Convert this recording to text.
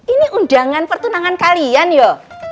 ini undangan pertunangan kalian yo